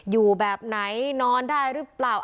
อยู่แบบไหนนอนได้หรือเปล่า